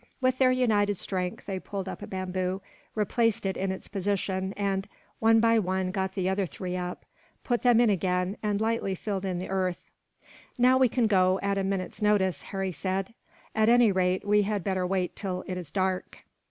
With their united strength they pulled up a bamboo, replaced it in its position and, one by one, got the other three up, put them in again, and lightly filled in the earth. "Now we can go, at a minute's notice," Harry said. "At any rate, we had better wait till it is dark."